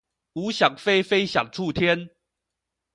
吾想飛非想觸天